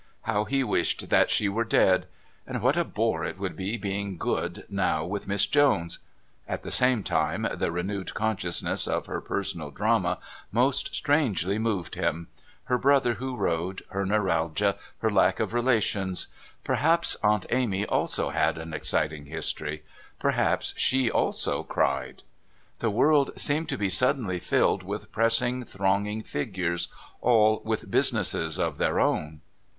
How he wished that she were dead! And what a bore it would be being good now with Miss Jones. At the same time, the renewed consciousness of her personal drama most strangely moved him her brother who rowed, her neuralgia, her lack of relations. Perhaps Aunt Amy also had an exciting history! Perhaps she also cried! The world seemed to be suddenly filled with pressing, thronging figures, all with businesses of their own.